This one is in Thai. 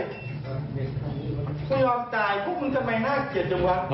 กูยอมตายพวกมึงทำไมน่าเกลียดจังวะ